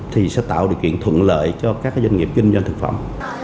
thì sẽ tạo điều kiện thuận lợi cho các doanh nghiệp kinh doanh thực phẩm